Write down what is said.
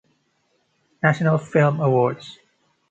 National Film Awards